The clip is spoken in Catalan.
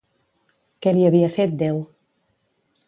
Què li havia fet Déu?